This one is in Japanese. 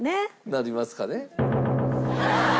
なりますかね。